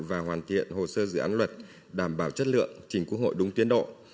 và hoàn thiện hồ sơ dự án luật đảm bảo chất lượng trình quốc hội đúng tiến độ